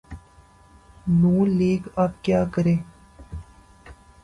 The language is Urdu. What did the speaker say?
ن لیگ اب کیا کرے؟